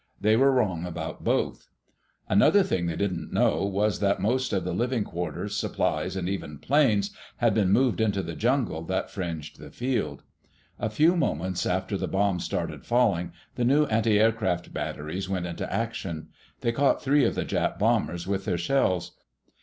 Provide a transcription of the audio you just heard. They were wrong about both. Another thing they didn't know was that most of the living quarters, supplies, and even planes, had been moved into the jungle that fringed the field. A few moments after the bombs started falling, the new antiaircraft batteries went into action. They caught three of the Jap bombers with their shells.